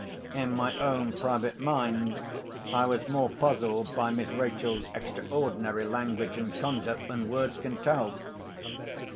In my own private mind I was more puzzled by Miss Rachel's extraordinary language and conduct than words can tell.